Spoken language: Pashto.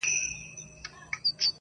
سر مي بلند دی